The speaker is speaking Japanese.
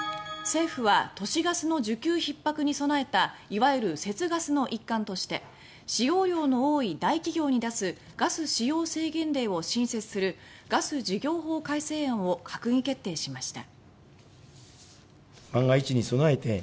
政府は都市ガスの需給ひっ迫に備えたいわゆる「節ガス」の一環として使用量の多い大企業に出すガス使用制限令を新設するガス事業法改正案を閣議決定しました。